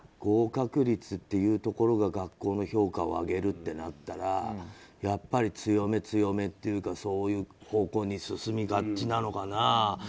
合格率というところが学校の評価を上げるとなったらやっぱり強め強めというかそういう方向に進みがちなのかな。